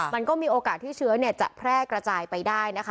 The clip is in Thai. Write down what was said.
มันก็มีโอกาสที่เชื้อจะแพร่กระจายไปได้นะคะ